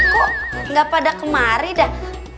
kok enggak pada kemarin dah